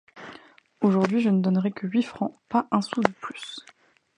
Aujourd'hui, je ne donnerai que huit francs, pas un sou de plus!».